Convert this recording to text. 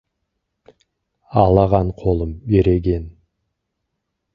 Алаған қолым береген.